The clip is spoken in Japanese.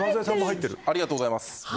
ありがとうございます。